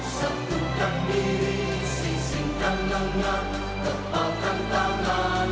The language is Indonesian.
satukan diri sing singkan lengan tepalkan tangan